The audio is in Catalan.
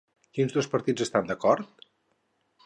Quins dos partits estan d'acord?